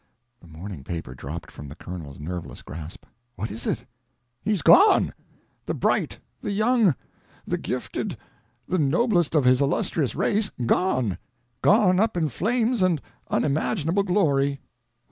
The morning paper dropped from the Colonel's nerveless grasp. "What is it?" "He's gone!—the bright, the young, the gifted, the noblest of his illustrious race—gone! gone up in flames and unimaginable glory!"